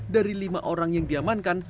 dari lima orang yang diamankan